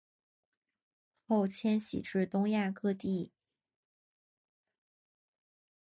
后迁徙至东亚各地。